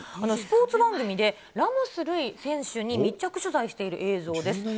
スポーツ番組で、ラモス瑠偉選手に密着取材している映像です。